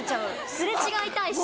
擦れ違いたいし。